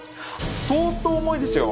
相当重いですよ。